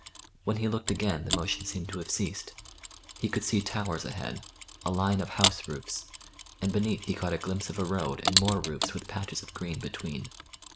When he looked again the motion seemed to have ceased; he could see towers ahead, a line of house roofs, and beneath he caught a glimpse of a road and more roofs with patches of green between.